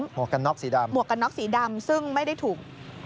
หมวกกันน็อกสีดำซึ่งไม่ได้ถูก